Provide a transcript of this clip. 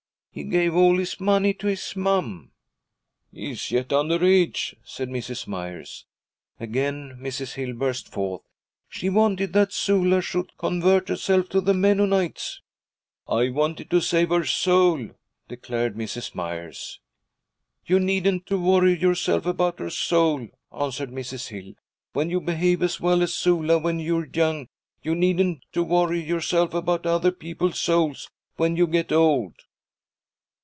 'He gave all his money to his mom.' 'He is yet under age,' said Mrs. Myers. Again Mrs. Hill burst forth: 'She wanted that Sula should convert herself to the Mennonites.' 'I wanted to save her soul,' declared Mrs. Myers. 'You needn't to worry yourself about her soul,' answered Mrs. Hill. 'When you behave as well as Sula when you're young, you needn't to worry yourself about other people's souls when you get old.'